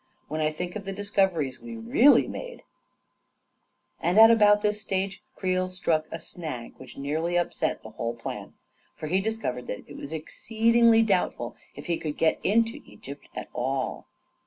When I think of the discoveries we really made ... And at about this stage, Creel struck a snag which nearly upset the whole plan, for he discovered that it was exceedingly doubtful if he could get into Egypt *r> A KING IN BABYLON 27 at all.